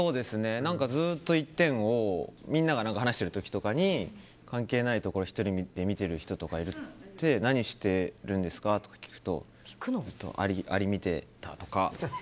ずっと１点をみんなが話してる時とかに関係ないところを１人で見てる人とかいて何してるんですかって聞くとアリを見てたとか。